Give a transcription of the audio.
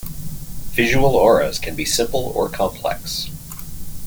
Visual auras can be simple or complex.